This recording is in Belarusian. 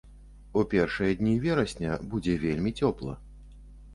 У першыя дні верасня будзе вельмі цёпла.